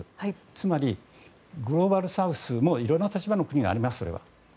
つまり、グローバルサウスもいろんな立場の国があります。